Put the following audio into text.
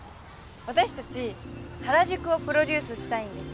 私たち原宿をプロデュースしたいんです。